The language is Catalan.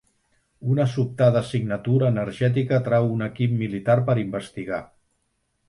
Una sobtada signatura energètica atrau un equip militar per investigar.